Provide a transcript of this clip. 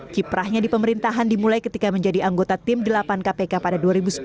kiprahnya di pemerintahan dimulai ketika menjadi anggota tim delapan kpk pada dua ribu sepuluh